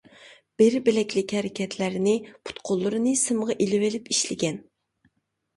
بىر بىلەكلىك ھەرىكەتلەرنى پۇت-قوللىرىنى سىمغا ئىلىۋېلىپ ئىشلىگەن.